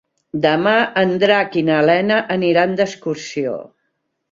Demà en Drac i na Lena aniran d'excursió.